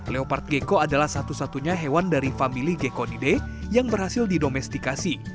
leopard gecko adalah satu satunya hewan dari family gecko nidai yang berhasil didomestikasi